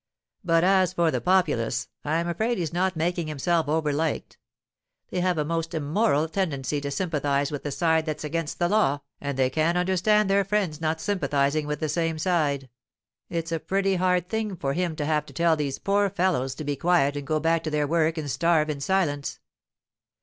But as for the populace, I'm afraid he's not making himself over liked. They have a most immoral tendency to sympathize with the side that's against the law, and they can't understand their friends not sympathizing with the same side. It's a pretty hard thing for him to have to tell these poor fellows to be quiet and go back to their work and starve in silence.